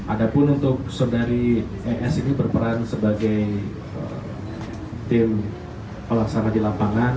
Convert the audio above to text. ada pun untuk saudari es ini berperan sebagai tim pelaksana di lapangan